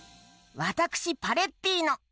わたくしパレッティーノ。